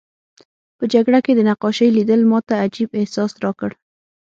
په جګړه کې د نقاشۍ لیدل ماته عجیب احساس راکړ